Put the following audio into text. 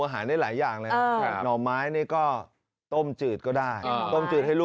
อาหารได้หลายอย่างหน่อไม้ต้มจืดก็ได้